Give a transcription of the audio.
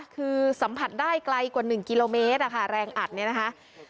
คือสัมผัสได้ไกลกว่า๑กิโลเมตรอะค่ะแรงอัดเนี่ยนะคะ